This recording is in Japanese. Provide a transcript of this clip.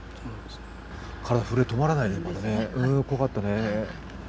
体震え止まらないね、怖かったね。